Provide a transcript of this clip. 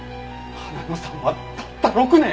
花野さんはたった６年。